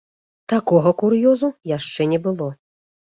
Такога кур'ёзу яшчэ не было.